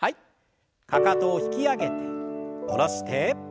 かかとを引き上げて下ろして。